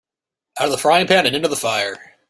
Out of the frying-pan into the fire